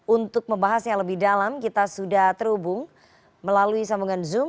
untuk membahasnya lebih dalam kita sudah terhubung melalui sambungan zoom